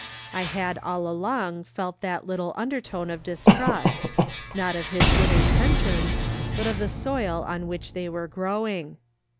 I had all along felt that little undertone of distrust, not of his good intentions, but of the soil on which they were growing.